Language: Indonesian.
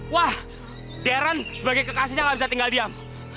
wah deren sebagai kekasihnya nggak bisa tinggal diam